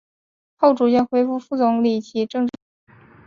后逐渐恢复副总理级政治待遇。